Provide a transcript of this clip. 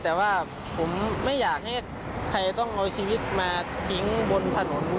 แต่ว่าผมไม่อยากให้ใครต้องเอาชีวิตมาทิ้งบนถนน